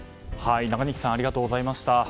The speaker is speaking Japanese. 中西さんありがとうございました。